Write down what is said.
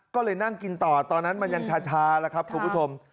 ก็เลยนั่งกินต่อตอนนั้นมันยังชาแล้วครับคุณผู้ชม